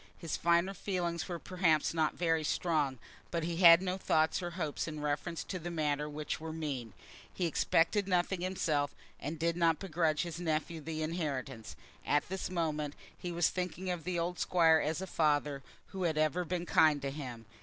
His finer feelings were perhaps not very strong, but he had no thoughts or hopes in reference to the matter which were mean. He expected nothing himself, and did not begrudge his nephew the inheritance. At this moment he was thinking of the old Squire as a father who had ever been kind to him.